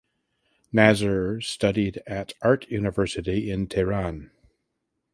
Nazer studied at art university in Tehran.